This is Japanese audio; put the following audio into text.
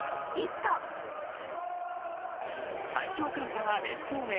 最強寒波が列島へ。